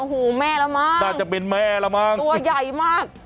โอ้โฮแม่ละมั้งตัวใหญ่มากน่าจะเป็นแม่ละมั้ง